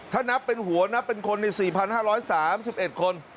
ถ้านับเป็นหัวนับเป็นคนใน๔๕๓๑คน